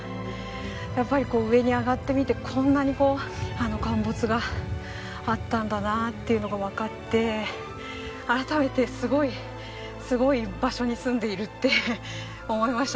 やっぱりこう上に上がってみてこんなに陥没があったんだなっていうのがわかって改めてすごいすごい場所に住んでいるって思いました。